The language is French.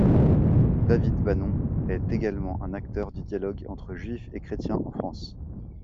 David Banon est également un acteur du dialogue entre Juifs et Chrétiens en France.